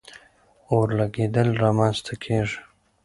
اور لګېدل را منځ ته کیږي.